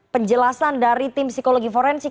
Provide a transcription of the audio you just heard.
penjelasan dari tim psikologi forensik